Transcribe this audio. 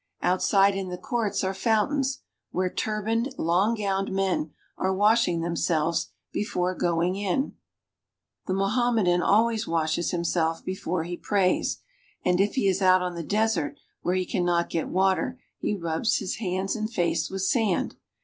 Outside in the courts are fountains, where turbaned, long gowned men are washing themselves before going in. go AFRICA The Mohammedan always washes himself before he prays, and if he is out on the desert where he can not get water he rubs his hands and face with sand.